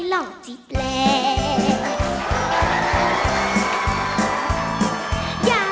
น้องเป็นซาวเทคนิคตาคมพมยาว